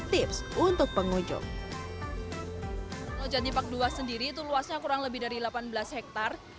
tips untuk pengunjung jati empat puluh dua sendiri itu luasnya kurang lebih dari delapan belas hektar dan juga berada di dalam kereta ini